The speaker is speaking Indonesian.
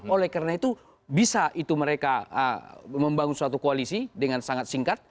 oleh karena itu bisa itu mereka membangun suatu koalisi dengan sangat singkat